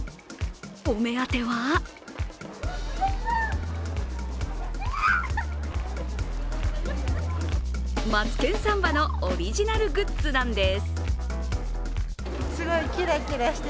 お目当てはマツケンサンバのオリジナルグッズなんです。